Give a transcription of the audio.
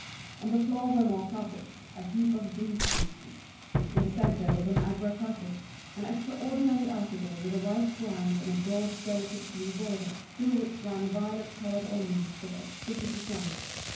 On the floor were more carpets, a heap of greasy fleeces: in the centre was an Agra carpet, an extraordinary article with a white ground and a broad delicate blue border, through which ran violet coloured ornaments of exquisite design.